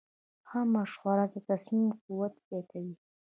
ښه مشوره د تصمیم قوت زیاتوي.